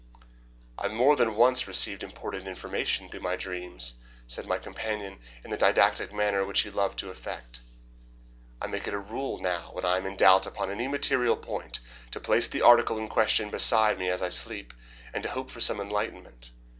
"I have more than once received important information through my dreams," said my companion in the didactic manner which he loved to affect. "I make it a rule now when I am in doubt upon any material point to place the article in question beside me as I sleep, and to hope for some enlightenment.